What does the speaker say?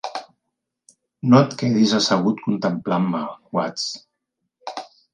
No et quedis assegut contemplant-me, Watts.